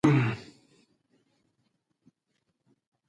انګور د افغانستان د صنعت لپاره مواد برابروي.